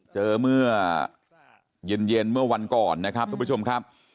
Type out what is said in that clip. เจอเมื่อเย็นเมื่อวันก่อนนะครับทุกผู้ชมครับ